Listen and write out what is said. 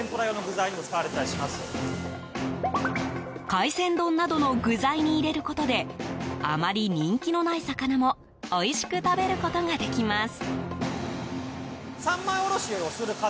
海鮮丼などの具材に入れることであまり人気のない魚もおいしく食べることができます。